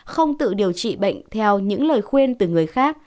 không tự điều trị bệnh theo những lời khuyên từ người khác